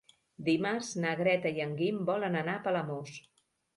Dimarts na Greta i en Guim volen anar a Palamós.